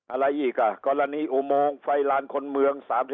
อะไรอีกอ่ะกรณีอุโมงไฟลานคนเมือง๓๔